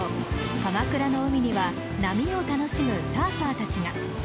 鎌倉の海には波を楽しむサーファーたちが。